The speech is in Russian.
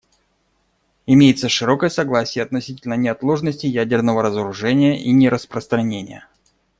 Имеется широкое согласие относительно неотложности ядерного разоружения и нераспространения.